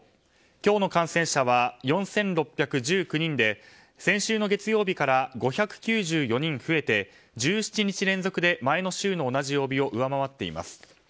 今日の感染者は４６１９人で先週の月曜日から５９４人増えて１７日連続で前の週の同じ曜日を上回っています。